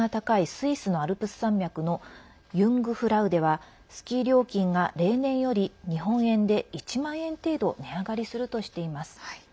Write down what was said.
スイスのアルプス山脈のユングフラウではスキー料金が例年より日本円で１万円程度値上がりするとしています。